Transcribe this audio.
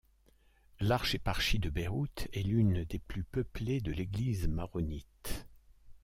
L'archéparchie de Beyrouth est l'une des plus peuplées de l'Église maronite.